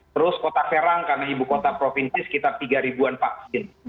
terus kota serang karena ibu kota provinsi sekitar tiga ribuan vaksin